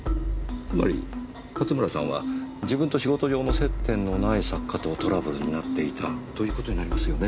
つまり勝村さんは自分と仕事上の接点のない作家とトラブルになっていたという事になりますよね？